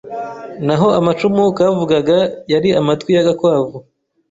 Naho amacumu kavugaga yari amatwi y'agakwavu